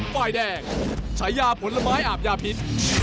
ไฟแดงใช้ยาผลไม้อาบยาพิษ